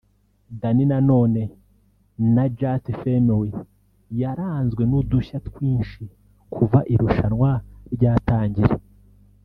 Danny Nanone na Just Family yaranzwe n’udushya twinshi kuva irushanwa ryatangira